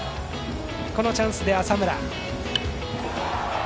このチャンスで浅村。